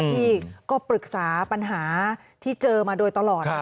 ที่ก็ปรึกษาปัญหาที่เจอมาโดยตลอด